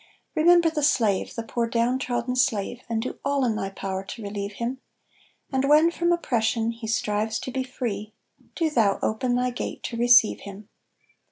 Remember the slave, the poor down trodden slave, And do all in thy power to relieve him; And when from oppression he strives to be free, Do thou open thy gate to receive him.